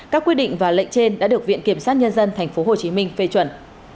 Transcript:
các quy định và lệnh trên đã được viện kiểm sát nhân dân tp hcm phê chuẩn